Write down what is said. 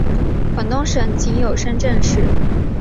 广东省内仅有深圳市使用大风预警。